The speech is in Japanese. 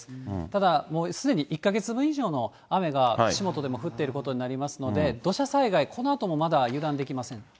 ただ、もうすでに１か月分以上の雨が串本でも降っていることになりますので、土砂災害、このあともまだ油断できません。